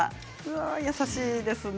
優しいですね。